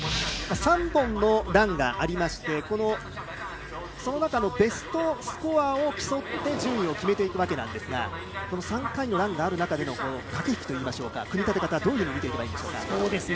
３本のランがありましてその中のベストスコアを競って順位を決めていくわけなんですが３回のランがある中での駆け引きというか組み立て方はどういうふうに見えていけばいいでしょうか。